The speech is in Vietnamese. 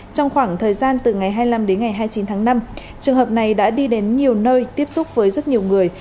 trong khoảng thời gian từ ngày hai mươi năm đến ngày hai mươi chín tháng năm trường hợp này đã đi đến nhiều nơi tiếp xúc với rất nhiều người